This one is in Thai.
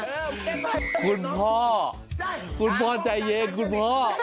คุณพ่อคุณพ่อใจเย็นคุณพ่อ